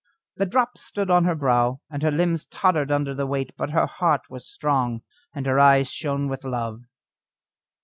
The drops stood on her brow, and her limbs tottered under the weight, but her heart was strong, and her eyes shone with love.